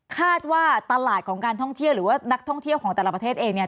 คาดว่าตลาดของการท่องเที่ยวหรือว่านักท่องเที่ยวของแต่ละประเทศเองเนี่ย